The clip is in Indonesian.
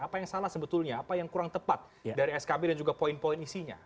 apa yang salah sebetulnya apa yang kurang tepat dari skb dan juga poin poin isinya